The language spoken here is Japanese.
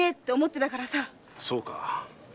そうか。